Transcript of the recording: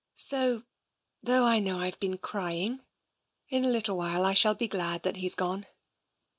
" So, though I know I've been crying, in a little while I shall be glad that he's gone.